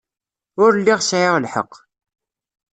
Ur lliɣ sɛiɣ lḥeqq.